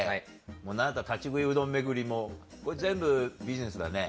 何だったら立ち食いうどん巡りもこれ全部ビジネスだね。